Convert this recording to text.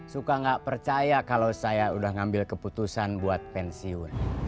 suka nggak percaya kalau saya udah ngambil keputusan buat pensiun